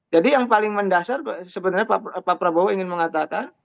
jadi yang paling mendasar sebenarnya pak prabowo ingin mengatakan